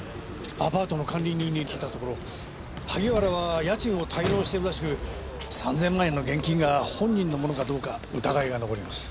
アパートの管理人に聞いたところ萩原は家賃を滞納しているらしく３千万円の現金が本人のものかどうか疑いが残ります。